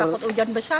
takut hujan besar